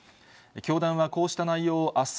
教団はこうした内容をあす